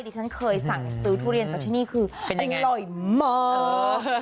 ที่ฉันเคยสั่งซื้อทุเรียนจากที่นี่คืออร่อยมาก